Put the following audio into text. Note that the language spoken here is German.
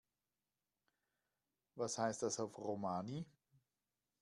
Was heißt das auf Romani?